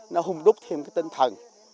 nó hung rút thêm cái tinh thần